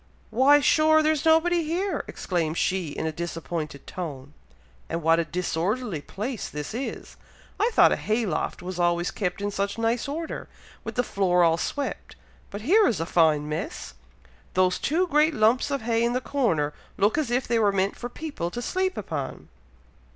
"Why, sure! there's nobody here!" exclaimed she, in a disappointed tone. "And what a disorderly place this is! I thought a hay loft was always kept in such nice order, with the floor all swept! but here is a fine mess! Those two great lumps of hay in the corner look as if they were meant for people to sleep upon!"